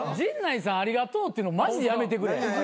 ありがとうっていうのマジでやめてくれ。